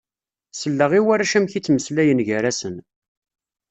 Selleɣ i warrac amek i ttmeslayen gar-asen.